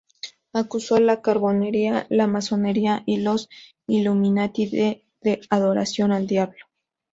Acusó la carbonería, la masonería y los illuminati de adoración al diablo.